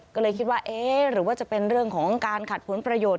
ก็เลยคิดว่าเอ๊ะหรือว่าจะเป็นเรื่องของการขัดผลประโยชน